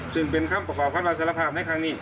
ซึ่งเป็นคำกว่าข้าวสารภาพในครั้งนี้